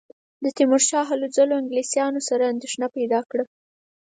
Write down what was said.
د تیمورشاه هلو ځلو انګلیسیانو سره اندېښنه پیدا کړه.